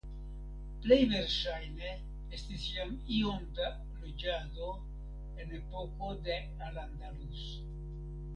Plej verŝajne estis jam iom da loĝado en epoko de Al Andalus.